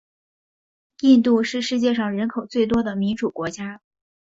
印度是世界上人口最多的民主国家。